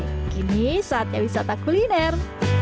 gini saatnya wisata kuliner